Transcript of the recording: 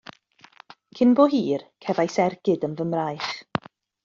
Cyn bo hir, cefais ergyd yn fy mraich.